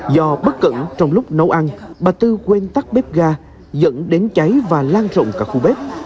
do bất cẩn trong lúc nấu ăn bà tư quên tắt bếp ga dẫn đến cháy và lan rộng cả khu bếp